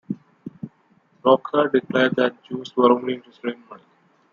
Blocher declared that Jews were only interested in money.